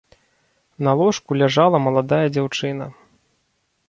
На ложку ляжала маладая дзяўчына.